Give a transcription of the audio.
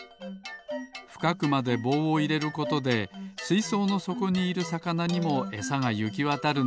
ふかくまでぼうをいれることですいそうのそこにいるさかなにもエサがゆきわたるのです。